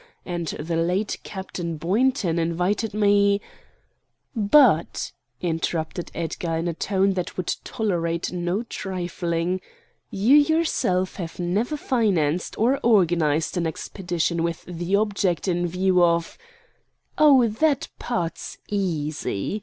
And the late Captain Boynton invited me——" "But," interrupted Edgar in a tone that would tolerate no trifling, "you yourself have never financed or organized an expedition with the object in view of——" "Oh, that part's easy!"